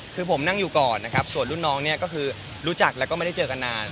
คือผมนั่งอยู่ก่อนนะครับส่วนรุ่นน้องเนี่ยก็คือรู้จักแล้วก็ไม่ได้เจอกันนาน